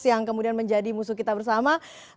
yang kemudian menjadi musuh kita bersama